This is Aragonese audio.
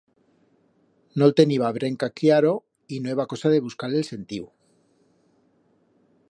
No'l teniba brenca cllaro, y no eba cosa de buscar-le el sentiu.